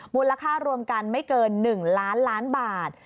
มูลค่ารวมกันไม่เกิน๑ล้านล้านบาท